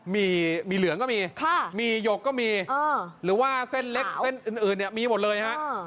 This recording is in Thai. มีเหลืองก็มีมีหยกก็มีหรือว่าเส้นเล็กเส้นอื่นเนี่ยมีหมดเลยฮะ